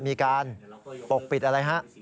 มีการปกปิดอะไรฮะ